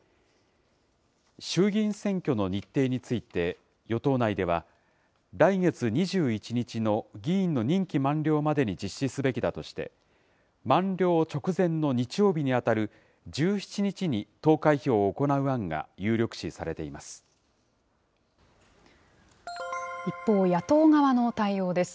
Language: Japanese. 衆議院選挙の日程について、与党内では来月２１日の議員の任期満了までに実施すべきだとして、満了直前の日曜日に当たる１７日に投開票を行う案が有力視されて一方、野党側の対応です。